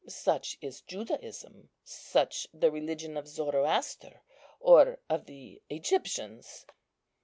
Such is Judaism; such the religion of Zoroaster, or of the Egyptians."